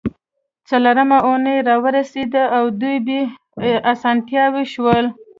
څلورمه اونۍ راورسیده او دوی بې اسانتیاوو شول